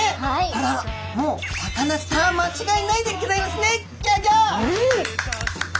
これはもうサカナスター間違いないでギョざいますね！